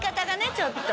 ちょっと